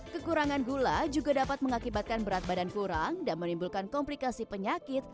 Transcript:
kekurangan gula juga dapat mengakibatkan berat badan kurang dan menimbulkan komplikasi penyakit